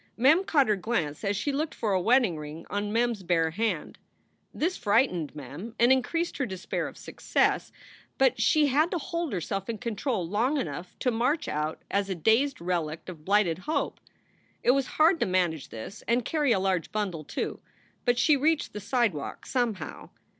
Mem caught her glance as she looked for a wedding ring on Mem s bare hand. This frightened Mem and increased her despair of success, but she had to hold herself in control long enough to march out as a dazed relict of blighted hope. It was hard to man age this and carry a large bundle, too; but she reached the sidewalk somehow.